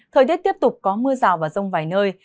thời tiết tiếp tục có mưa rào và rông vài nơi